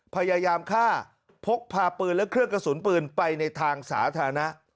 พยายามฆ่าพกพาปืนและเครื่องกระสุนปืนไปในทางสาธารณะ